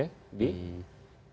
di bangka pelitung dengan